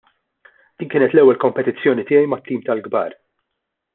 Din kienet l-ewwel kompetizzjoni tiegħi mat-tim tal-kbar.